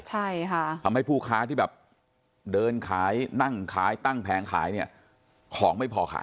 ใช่ค่ะทำให้ผู้ค้าที่แบบเดินขายนั่งขายตั้งแผงขายเนี่ยของไม่พอขาย